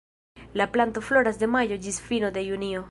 La planto floras de majo ĝis fino de junio.